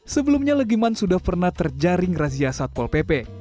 sebelumnya legiman sudah pernah terjaring razia satpol pp